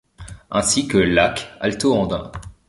Ainsi que lacs alto-andins.